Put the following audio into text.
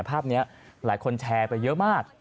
ภาพนี้หลายคนแชร์ไปเยอะมาก